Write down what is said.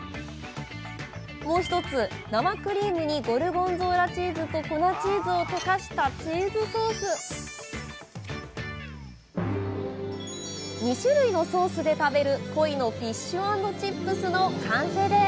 もう一つ生クリームにゴルゴンゾーラチーズと粉チーズを溶かした２種類のソースで食べるコイのフィッシュ＆チップスの完成です。